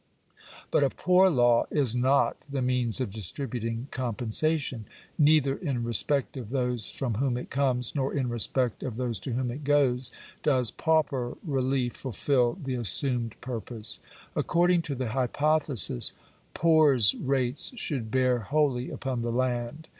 But a poor law is not the means of distributing compensa tion. Neither in respect of those from whom it comes, nor in respect of those to whom it goes, does pauper relief fulfil the assumed purpose. According to the hypothesis poors' rates should bear wholly upon the land.